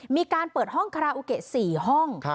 มีการเปิดห้องคาราโอเกะ๔ห้อง